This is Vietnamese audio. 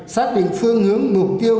xác định phương hướng mục tiêu